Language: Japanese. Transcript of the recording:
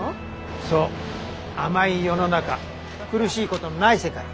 そう甘い世の中苦しいことのない世界。